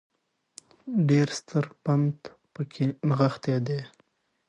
ډېر ستر پند په کې نغښتی دی